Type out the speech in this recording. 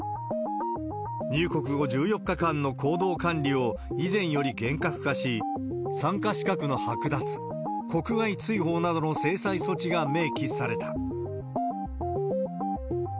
入国後１４日間の行動管理を以前より厳格化し、参加資格の剥奪、国外追放などの制裁措置が明記された。